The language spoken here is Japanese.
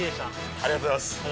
ありがとうございます！